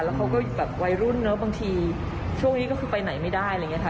แล้วเขาก็แบบวัยรุ่นเนอะบางทีช่วงนี้ก็คือไปไหนไม่ได้อะไรอย่างนี้ค่ะ